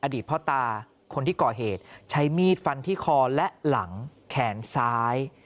อดีตพ่อตาคนที่ก่อเหตุใช้มีดฟันที่คอและหลังแขนซ้าย